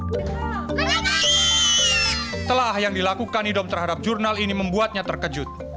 setelah yang dilakukan nidom terhadap jurnal ini membuatnya terkejut